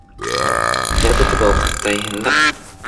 やることが多くて大変だ